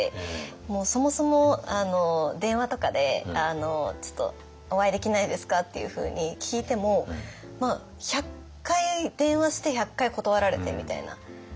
もうそもそも電話とかで「ちょっとお会いできないですか？」っていうふうに聞いても１００回電話して１００回断られてみたいな。